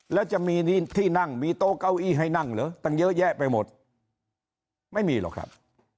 แล้วจะมีที่นั่งมีโต๊ะเก้าอี้ให้นั่งเหรอตั้งเยอะแยะไปหมดไม่มีหรอกครับ